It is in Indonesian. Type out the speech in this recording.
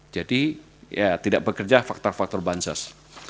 jadi ya tidak bekerja faktor faktor bansos